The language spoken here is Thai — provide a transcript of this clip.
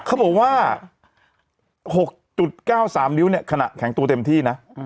เขาบอกว่า๖๙๓นิ้วเนี่ยขณะแข็งตัวเต็มที่นะ